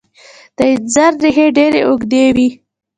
د انځر ریښې ډیرې اوږدې وي.